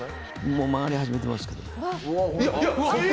もう曲がり始めてますけど。